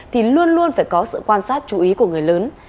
thì luôn luôn phải có sự quan sát chú ý của người lớn